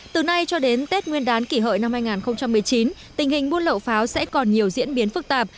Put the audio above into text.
từ nay cho đến tết nguyên đán kỷ hợi năm hai nghìn một mươi chín tình hình buôn lậu pháo sẽ còn nhiều diễn biến phức tạp